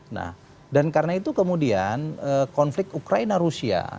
nah dan karena itu kemudian konflik ukraina rusia